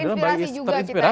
terinspirasi juga kita ya